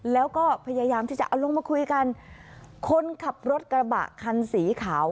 แล้วก็พยายามที่จะเอาลงมาคุยกันคนขับรถกระบะคันสีขาว